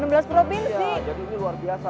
iya jadi ini luar biasa